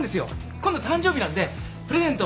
今度誕生日なんでプレゼント